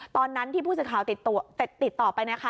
ตอนนั้นที่ผู้สื่อข่าวติดต่อไปนะคะ